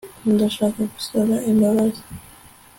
ndashaka gusaba imbabazi